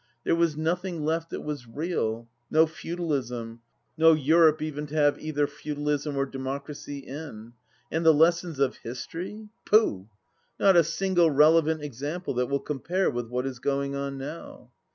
There was nothing left that was real — ^no feudalism, no Europe even to have either Feudalism or Democracy in. And the lessons of history, pooh 1 not a single relevant example that will compare with what is going on now.